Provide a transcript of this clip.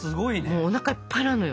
もうおなかがいっぱいになるのよ。